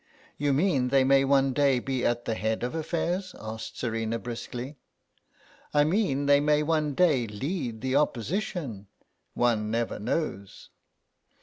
"You mean they may one day be at the head of affairs?" asked Serena, briskly. "I mean they may one day lead the Opposition. One never knows."